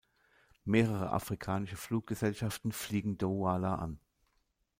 Mehrere afrikanische Fluggesellschaften fliegen Douala an.